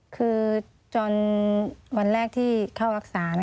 คือจนวันแรกที่เข้ารักษา